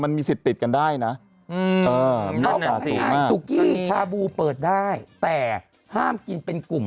มันมีสิทธิ์ติดกันได้นะนอกจากสุกี้ชาบูเปิดได้แต่ห้ามกินเป็นกลุ่ม